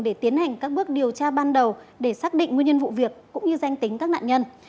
để tiến hành các bước điều tra ban đầu để xác định nguyên nhân vụ việc cũng như danh tính các nạn nhân